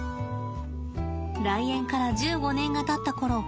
来園から１５年がたったころ